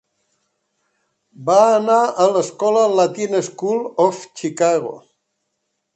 Va anar a l'escola Latin School of Chicago.